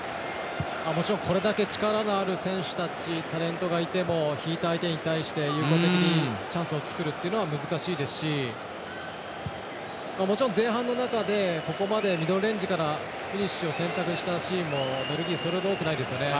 もちろんこれだけ力のある選手タレントがいても引いた相手に対して有効的にチャンスを作るっていうのは難しいですしもちろん前半の中でここまでミドルレンジからフィニッシュを選択シーンもベルギーそれほど多くないですよね。